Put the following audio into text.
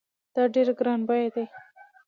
دا ډېر ګران بیه دی